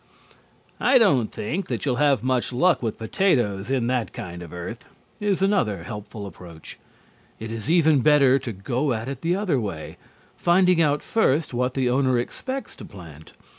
"I don't think that you'll have much luck with potatoes in that kind of earth," is another helpful approach. It is even better to go at it the other way, finding out first what the owner expects to plant.